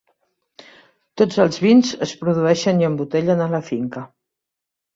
Tots els vins és produeixen i embotellen a la finca.